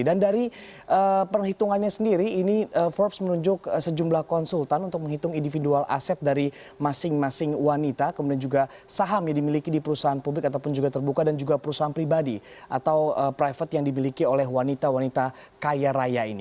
dan dari perhitungannya sendiri ini forbes menunjuk sejumlah konsultan untuk menghitung individual asset dari masing masing wanita kemudian juga saham yang dimiliki di perusahaan publik ataupun juga terbuka dan juga perusahaan pribadi atau private yang dimiliki oleh wanita wanita kaya raya ini